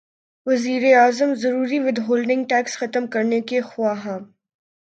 وزیراعظم غیر ضروری ود ہولڈنگ ٹیکس ختم کرنے کے خواہاں